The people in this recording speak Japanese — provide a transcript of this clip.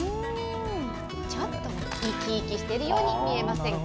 ちょっと生き生きしているように見えませんか。